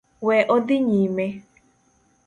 We odhi nyime